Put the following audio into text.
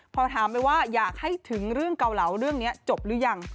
พอถามไปว่าอยากให้ถึงเรื่องเกาเหลาเรื่องนี้จบหรือยัง